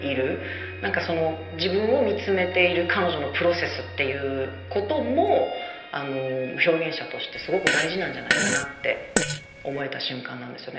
何かその自分を見つめている彼女のプロセスっていうことも表現者としてすごく大事なんじゃないかなって思えた瞬間なんですよね。